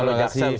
terima kasih bang